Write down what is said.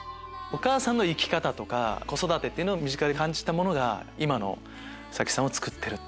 お母さんの生き方とか子育てを身近で感じたものが今の早紀さんをつくってる？